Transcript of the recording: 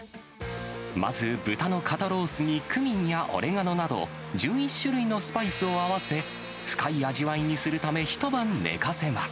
まず豚の肩ロースにクミンやオレガノなど、１１種類のスパイスを合わせ、深い味わいにするため、一晩寝かせます。